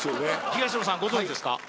東野さんご存じですか？